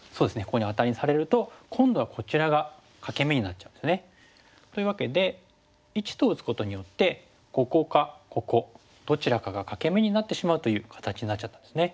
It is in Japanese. ここにアタリにされると今度はこちらが欠け眼になっちゃうんですね。というわけで①と打つことによってここかここどちらかが欠け眼になってしまうという形になっちゃったんですね。